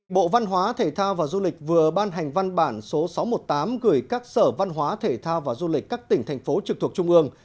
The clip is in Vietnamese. bộ văn hóa thể thao và du lịch vừa ban hành văn bản số sáu trăm một mươi tám gửi các sở văn hóa thể thao và du lịch các tỉnh thành phố trực thuộc trung ương